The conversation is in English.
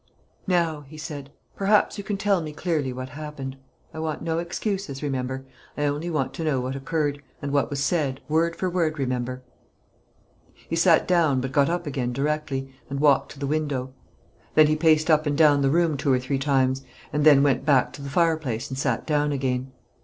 "Now," he said, "perhaps you can tell me clearly what happened. I want no excuses, remember; I only want to know what occurred, and what was said word for word, remember." He sat down but got up again directly, and walked to the window; then he paced up and down the room two or three times, and then went back to the fireplace and sat down again.